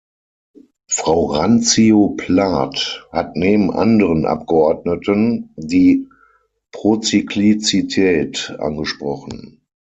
Frau Randzio-Plath hat neben anderen Abgeordneten die Prozyklizität angesprochen.